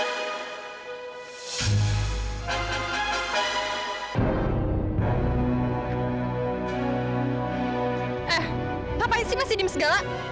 eh ngapain sih masih diem segala